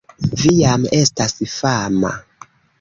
Vi jam estas fama